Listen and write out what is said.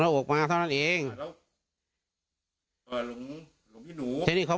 ใครใครส่งครับ